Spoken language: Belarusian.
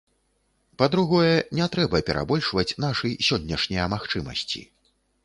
Па-другое, не трэба перабольшваць нашы сённяшняя магчымасці.